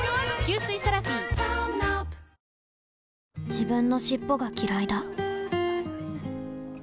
自分の尻尾がきらいだ